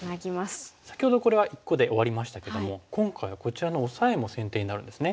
先ほどこれは１個で終わりましたけども今回はこちらのオサエも先手になるんですね。